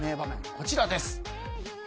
こちらです。